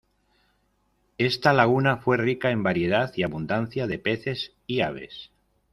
Esta laguna fue rica en variedad y abundancia de peces y aves.